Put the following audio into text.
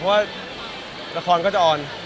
เพราะว่าละครก็จะอ่อน